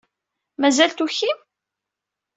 Mazal tukim?